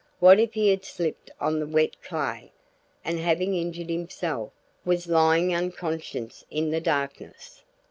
What if he had slipped on the wet clay, and having injured himself, was lying unconscious in the darkness?